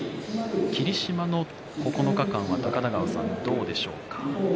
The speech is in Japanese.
霧島の９日間は高田川さん、どうでしょうか。